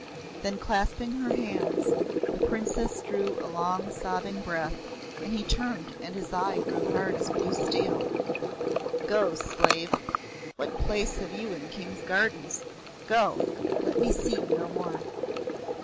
Then clasping her hands, the Princess drew a long sobbing breath, and he turned and his eyes grew hard as blue steel. "Go, slave," he cried. "What place have you in Kings' gardens? Go. Let me see you no more."